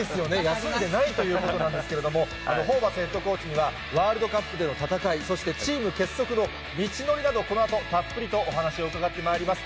休んでないということなんですけれども、ホーバスヘッドコーチには、ワールドカップでの戦い、そしてチーム結束の道のりなど、このあと、たっぷりとお話を伺ってまいります。